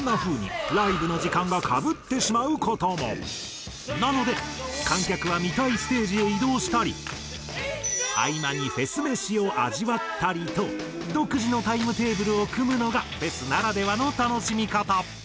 こんな風になので観客は見たいステージへ移動したり合間にフェス飯を味わったりと独自のタイムテーブルを組むのがフェスならではの楽しみ方。